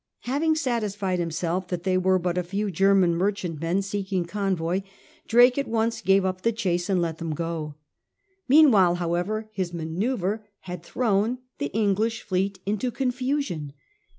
Having satisfied himself they were but a few German merchant men seeking convoy, Drake at once gave up the chase and let them go. Meanwhile, however, his manoeuvre had thrown the English fleet into confusion.